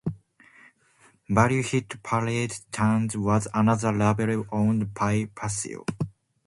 Value Hit Parade Tunes was another label owned by Puccio.